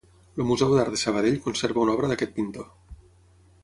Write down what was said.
El Museu d’Art de Sabadell conserva una obra d’aquest pintor.